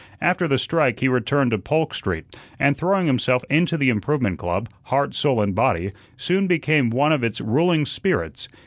After the strike he returned to Polk Street, and throwing himself into the Improvement Club, heart, soul, and body, soon became one of its ruling spirits.